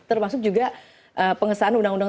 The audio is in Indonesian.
termasuk juga pengesahan undang undang